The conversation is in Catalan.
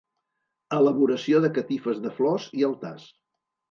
Elaboració de catifes de flors i altars.